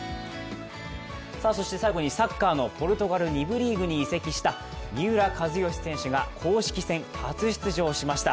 そして、最後にサッカーのポルトガル２部リーグに移籍した三浦知良選手が公式戦初出場しました。